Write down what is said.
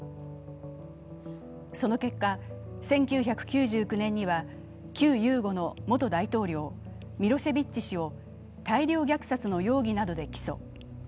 その結果１９９９年には旧ユーゴの元大統領ミロシェビッチ氏を大量虐殺の容疑などで起訴。